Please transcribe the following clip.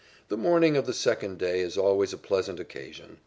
] The morning of the second day is always a pleasant occasion.